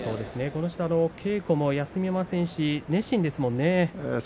稽古も休みませんし熱心ですからね。